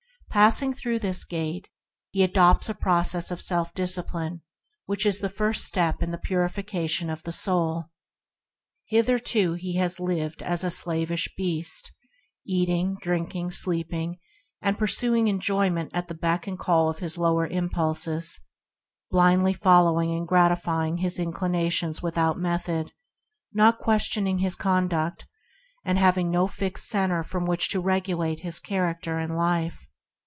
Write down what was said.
Passing through this Gate, he adopts a process of self discipline which is the first step in the purification of the soul. Hitherto he has lived as a slavish beast; eating, drinking, sleeping, and pur suing enjoyment at the beck and call of his lower impulses; blindly following and grati fying his inclinations without method, not questioning his conduct, and having no fixed centre from which to regulate his character and his life.